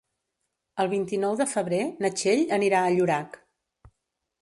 El vint-i-nou de febrer na Txell anirà a Llorac.